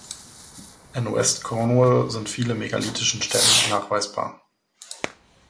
In West Cornwall sind viele megalithischen Stätten nachweisbar.